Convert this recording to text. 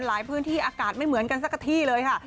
พื้นที่อากาศไม่เหมือนกันสักที่เลยค่ะ